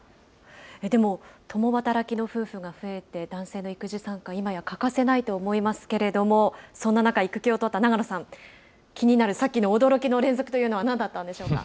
でも、共働きの夫婦が増えて、男性の育児参加、今や欠かせないと思いますけれども、そんな中、育休を取った長野さん、気になるさっきの驚きの連続というのは、なんだったんでしょうか。